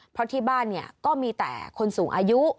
เพราะที่บ้านเนี่ยก็มีแต่คนสูงอายุ